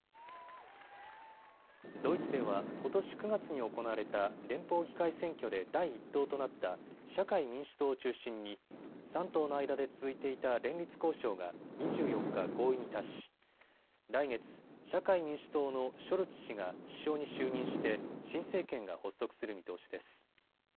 ドイツではことし９月に行われた連邦議会選挙で第１党となった社会民主党を中心に３党の間で続いていた連立交渉が２４日、合意に達し来月、社会民主党のショルツ氏が首相に就任して新政権が発足する見通しです。